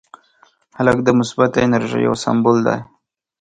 هلک د مثبتې انرژۍ یو سمبول دی.